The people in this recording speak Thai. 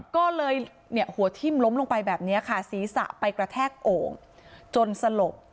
ก็เลยเนี่ยหัวทิ้มล้มลงไปแบบนี้ค่ะศีรษะไปกระแทกโอ่งจนสลบ